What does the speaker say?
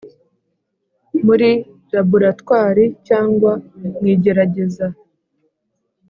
Muri laburatwari cyangwa mu igerageza